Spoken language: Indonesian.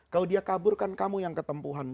kalau dia kabur kan kamu yang ketempuhan